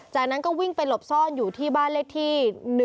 จากนั้นก็วิ่งไปหลบซ่อนอยู่ที่บ้านเลขที่๑